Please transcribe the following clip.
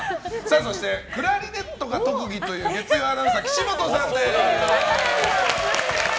そして、クラリネットが特技という月曜アナウンサー、岸本さんです。